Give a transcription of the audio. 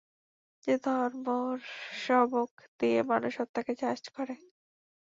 যে ধর্মের সবক দিয়ে মানুষ হত্যাকে জায়েজ করে!